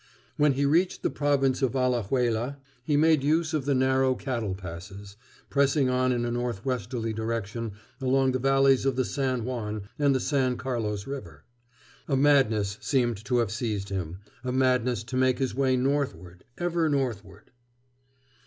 When he reached the Province of Alajuela he made use of the narrow cattle passes, pressing on in a northwesterly direction along the valleys of the San Juan and the San Carlos River. A madness seemed to have seized him, a madness to make his way northward, ever northward.